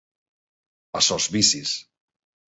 A sos vicis.